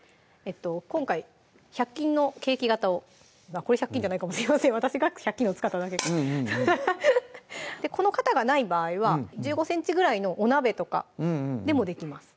今回１００均のケーキ型をこれ１００均じゃないかもしれません私が１００均のを使っただけこの型がない場合は１５ｃｍぐらいのお鍋とかでもできます